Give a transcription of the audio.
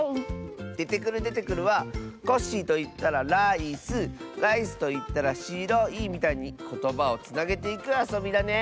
「デテクルデテクル」は「コッシーといったらライスライスといったらしろい」みたいにことばをつなげていくあそびだね！